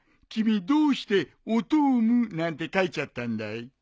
君どうして「おとーむ」なんて書いちゃったんだい。